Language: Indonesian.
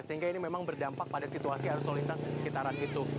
sehingga ini memang berdampak pada situasi arsolitas di sekitaran itu